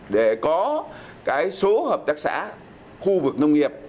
để có số hợp tác xã khu vực nông nghiệp